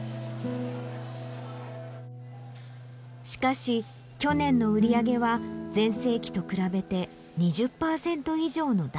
しかし去年の売り上げは全盛期と比べて２０パーセント以上のダウン。